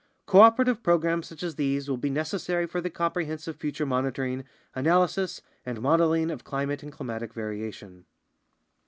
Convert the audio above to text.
Cooperative programs such as these will be neces sary for the comprehensive future monitoring, analysis, and modeling of climate and climatic variation.